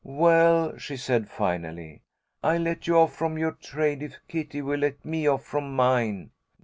"Well," she said, finally, "I'll let you off from your trade if Kitty will let me off from mine."